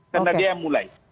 karena dia yang mulai